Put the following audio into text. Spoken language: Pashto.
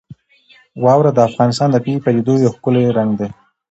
واوره د افغانستان د طبیعي پدیدو یو ښکلی رنګ دی.